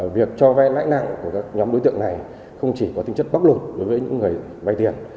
việc cho vay lãi nặng của các nhóm đối tượng này không chỉ có tính chất bóc lột đối với những người vay tiền